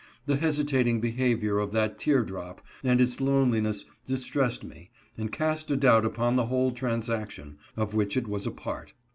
The hesitating behavior of that tear drop, and' its loneliness, distressed me, and cast a doubt upon the whole transaction, of which it was a part.